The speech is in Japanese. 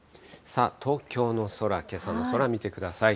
さあ、東京の空、けさの空見てください。